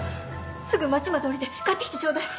すぐ街まで下りて買ってきてちょうだい！